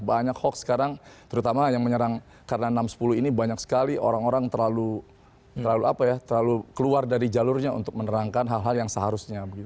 banyak hoax sekarang terutama yang menyerang karena enam ratus sepuluh ini banyak sekali orang orang terlalu keluar dari jalurnya untuk menerangkan hal hal yang seharusnya